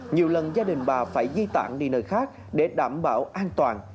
nhiều lần gia đình bà phải di tản đi nơi khác để đảm bảo an toàn